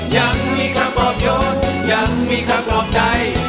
ยังมีคำบอกโยชน์ยังมีคำบอกใจ